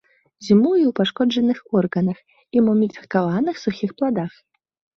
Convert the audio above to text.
Зімуе ў пашкоджаных органах і муміфікаваных сухіх пладах.